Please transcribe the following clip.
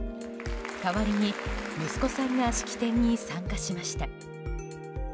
代わりに息子さんが式典に参加しました。